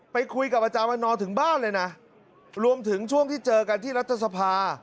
ไปคุยกับอาจารย์วันนอถึงบ้านเลยนะรวมถึงช่วงที่เจอกันที่รัฐสภา